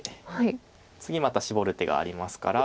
次またシボる手がありますから。